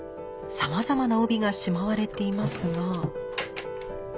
さまざまな帯がしまわれていますが。